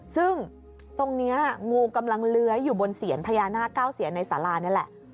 ซึ่งตรงนี้งูกำลังเลื้อยอยู่บนเสียนพญานาคเก้าเซียนในสารานี่แหละ